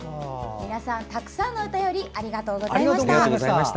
皆さん、たくさんのお便りありがとうございました。